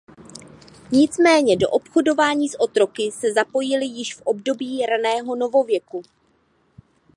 Nicméně do obchodování s otroky se zapojili již v období raného novověku.